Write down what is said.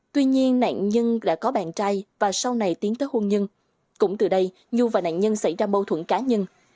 tuy nhiên nạn nhân đã có bạn trai và sau này tiến tới hôn nhân cũng từ đây nhu và nạn nhân xảy ra bâu thuẫn cá nhân